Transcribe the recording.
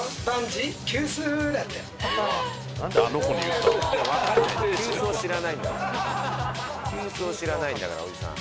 「急須を知らないんだからおじさん」